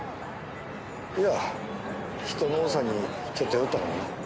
いや人の多さにちょっと酔ったかもな。